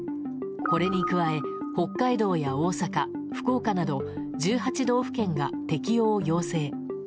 これに加え北海道や大阪、福岡など１８道府県が適用を要請。